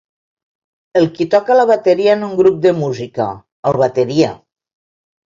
El qui toca la bateria en un grup de música, el bateria.